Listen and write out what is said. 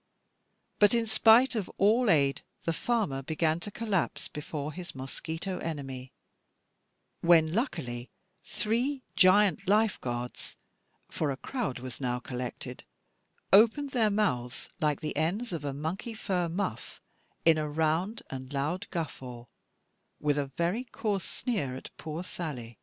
But in spite of all aid, the farmer began to collapse before his mosquito enemy; when luckily three giant Life guards (for a crowd was now collected) opened their mouths, like the ends of a monkey fur muff, in a round and loud guffaw, with a very coarse sneer at poor Sally.